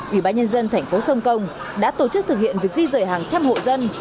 ủy ban nhân dân thành phố sông công đã tổ chức thực hiện việc di rời hàng trăm hộ dân